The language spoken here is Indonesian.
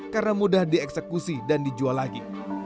karena mudah dieksekusi dan dijual lagi